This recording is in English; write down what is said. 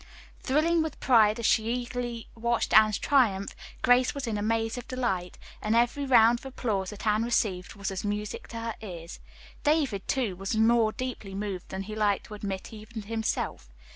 Thrilling with pride as she eagerly watched Anne's triumph, Grace was in a maze of delight, and every round of applause that Anne received was as music to her ears. David, too, was more deeply moved than he liked to admit even to himself.